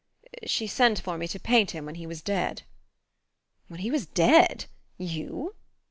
She sent for me to paint him when he was dead." "When he was dead? You?"